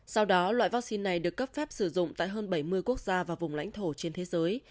sau đó loại vaccine này được cấp phép sử dụng tại hơn bảy mươi quốc gia và vùng lãnh thổ trên thế giới